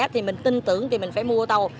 thì mình tin tưởng thì mình phải mua đâu